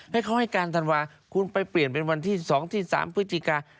ให้เขาให้การธันวาคุณไปเปลี่ยนเป็นวันที่๒ที่๓พฤศจิกา